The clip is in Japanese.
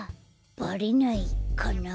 バレないかな？